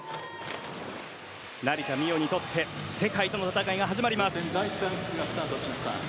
成田実生にとって世界との戦いが始まりました。